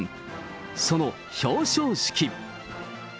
その表彰式。